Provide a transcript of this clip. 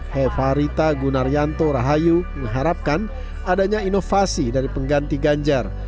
hevarita gunaryanto rahayu mengharapkan adanya inovasi dari pengganti ganjar